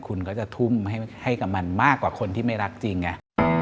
คุณก็จะทุ่มให้กับมันมากกว่าคนที่ไม่รักจริงไง